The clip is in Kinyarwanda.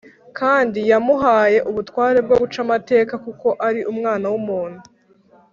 . Kandi yamuhaye ubutware bwo guca amateka kuko ari Umwana w’Umuntu.